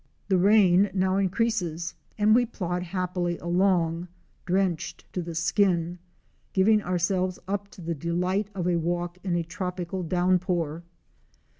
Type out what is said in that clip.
The rain now increases and we plod happily along drenched to the skin, giving ourselves up to the delight of a walk in a tropical downpour.